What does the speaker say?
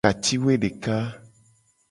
Ka ci woe deka.